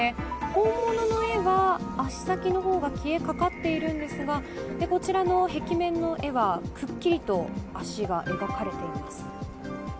本物の絵は足先のほうが消えかかっているんですがこちらの壁面の絵はくっきりと足が描かれています。